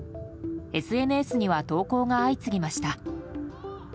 ＳＮＳには投稿が相次ぎました。